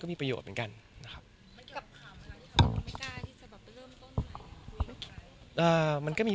ก็มีไปคุยกับคนที่เป็นคนแต่งเพลงแนวนี้